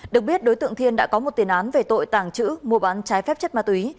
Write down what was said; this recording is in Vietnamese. được biết đối tượng thiên đã có một tiền án về tội tàng trữ mua bán trái phép chất ma túy